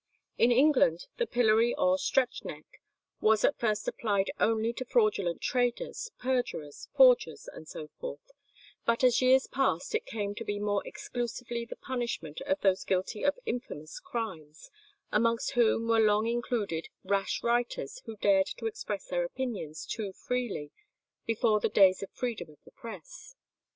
In England the pillory or "stretch neck" was at first applied only to fraudulent traders, perjurers, forgers, and so forth; but as years passed it came to be more exclusively the punishment of those guilty of infamous crimes, amongst whom were long included rash writers who dared to express their opinions too freely before the days of freedom of the press.